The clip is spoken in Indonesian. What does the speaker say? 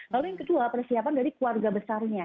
lalu yang kedua persiapan dari keluarga besarnya